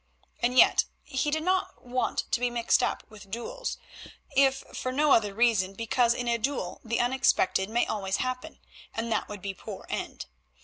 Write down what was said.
And yet he did not wish to be mixed up with duels, if for no other reason because in a duel the unexpected may always happen, and that would be a poor end.